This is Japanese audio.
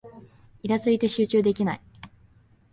イラついて集中できない